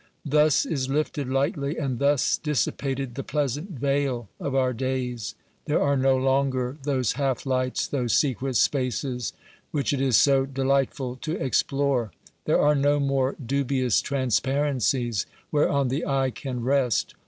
Thus is lifted lightly and thus dissipated the pleasant veil of our days. There are no longer those half lights, those secret spaces which it is so delightful to explore. There are no more dubious transparencies whereon the eye can rest.